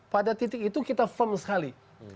pada titik itu kita firm sekali